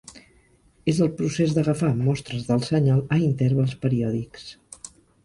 És el procés d'agafar mostres del senyal a intervals periòdics.